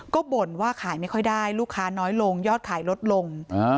ก็บ่นว่าขายไม่ค่อยได้ลูกค้าน้อยลงยอดขายลดลง